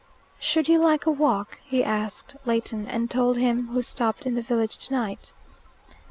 "Should you like a walk?" he asked Leighton, and told him who stopped in the village tonight.